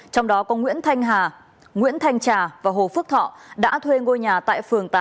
trong đó có nguyễn thanh hà nguyễn thanh trà và hồ phước thọ đã thuê ngôi nhà tại phường tám